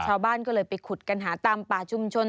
ชาวบ้านก็เลยไปขุดกันหาตามป่าชุมชน